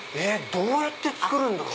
どうやって作るんだろう？